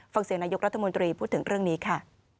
ฟังเสียงนายกรัฐมนตรีพูดถึงเรื่องนี้ค่ะ